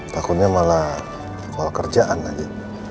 takutnya malah soal kerjaan aja